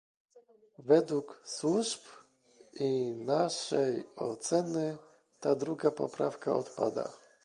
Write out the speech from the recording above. Według służb i naszej oceny, ta druga poprawka odpada